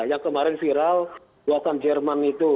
yang kemarin viral buatan jerman itu